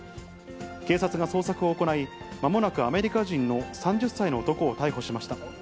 警察が捜索を行い、まもなくアメリカ人の３０歳の男を逮捕しました。